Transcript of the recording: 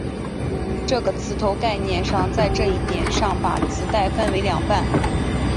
这个磁头概念上在这一点上把磁带分为两半。